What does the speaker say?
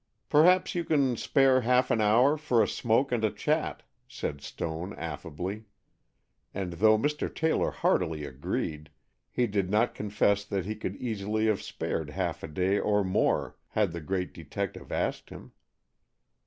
"Perhaps you can spare half an hour for a smoke and a chat," said Stone affably, and though Mr. Taylor heartily agreed, he did not confess that he could easily have spared half a day or more had the great detective asked him.